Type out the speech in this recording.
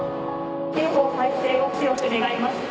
・刑法改正を強く願います・